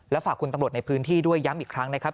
ฝากคุณตำรวจในพื้นที่ด้วยย้ำอีกครั้งนะครับ